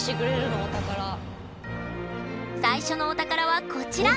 最初のお宝はこちら！